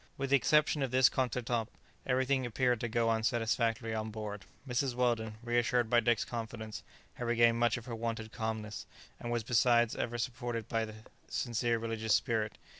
With the exception of this contretemps, everything appeared to go on satisfactorily on board. Mrs. Weldon, reassured by Dick's confidence, had regained much of her wonted calmness, and was besides ever supported by a sincere religious spirit.